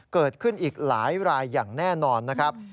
เกิดขึ้นอีกหลายรายอย่างแน่นอนนะครับ